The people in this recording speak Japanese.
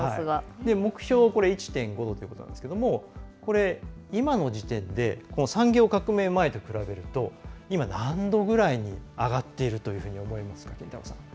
目標が１．５度ということなんですが今の時点で産業革命前と比べると今、何度ぐらいに上がっていると思いますか？